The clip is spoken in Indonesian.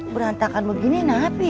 berantakan begini nabi